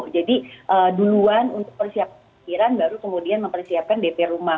jadi duluan untuk persiapan kekiran baru kemudian mempersiapkan dp rumah